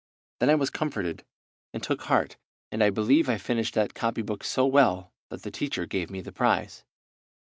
Then I was comforted and took heart, and I believe I finished that copybook so well that the teacher gave me the prize.